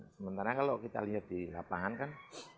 sementara kalau kita lihat di lapangan kan